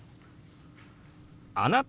「あなた？」。